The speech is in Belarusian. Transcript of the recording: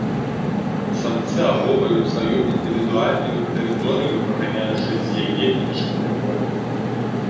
Самцы ахоўваюць сваю індывідуальную тэрыторыю, праганяючы з яе іншых матылькоў.